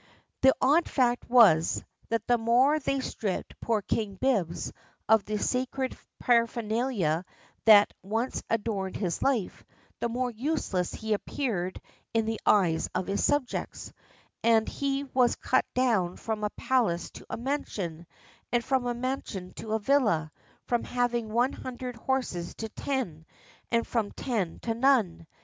The odd fact was, that the more they stripped poor King Bibbs of the sacred paraphernalia that once adorned his life, the more useless he appeared in the eyes of his subjects; and he was cut down from a palace to a mansion, and from a mansion to a villa; from having one hundred horses to ten; and from ten to none.